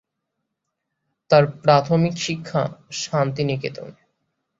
তার প্রাথমিক শিক্ষা শান্তিনিকেতনে।